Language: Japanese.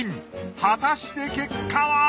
果たして結果は？